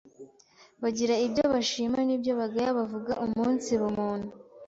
bagira ibyo bashima n’ibyo bagaya bavuga umunsi bumuntu